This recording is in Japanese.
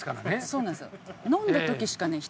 そうなんですよ。